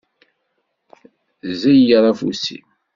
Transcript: Ẓeyyeṛ afus-iw.